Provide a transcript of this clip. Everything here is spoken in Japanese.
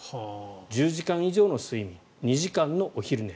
１０時間の睡眠２時間のお昼寝。